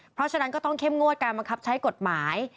เพราะฉะนั้นก็ต้องเข้มงวดการบังคับใช้กฎหมาย